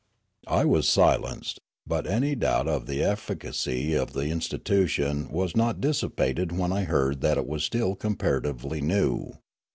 I was silenced ; but any doubt of the efficacy of the institution was not dissipated when I heard that it was still comparatively new.